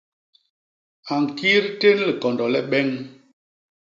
A ñkit tén likondo le beñ.